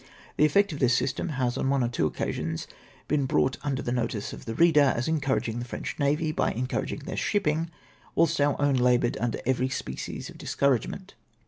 The effect of this system has on one or two occasions been brouQ; ht under the notice of the reader, as encom^aging the French Navy, by encouraging their shipping wliilst our^ own labom^ed under every species of discouragement.